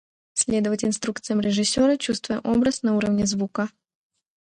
Следовать инструкциям режиссера, чувствуя образ на уровне звука.